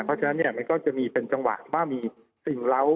เพราะฉะนั้นเนี่ยมันก็จะมีเป็นจังหวะว่ามีสิ่งเหล้า